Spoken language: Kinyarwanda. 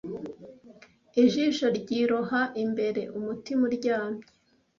Ijisho ryiroha imbere, umutima uryamye,